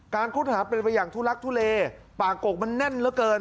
ค้นหาเป็นไปอย่างทุลักทุเลป่ากกมันแน่นเหลือเกิน